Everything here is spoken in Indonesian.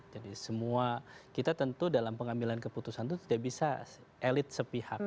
jadi semua kita tentu dalam pengambilan keputusan itu tidak bisa elit sepihak